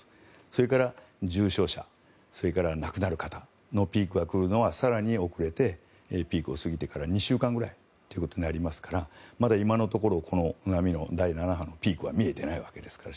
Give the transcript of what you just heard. それから、重症者それから亡くなる方のピークが来るのが更に遅れてピークを過ぎてから２週間ぐらいということになりますからまだ今のところこの波の第７波のピークは見えてないわけですから。